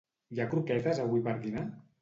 Hi ha croquetes avui per dinar?